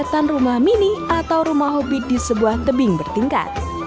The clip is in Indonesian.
kegiatan rumah mini atau rumah hobi di sebuah tebing bertingkat